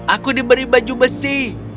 aku diberi baju besi